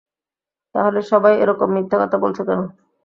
তাহলে সবাই এ-রকম মিথ্যা কথা বলছে কেন?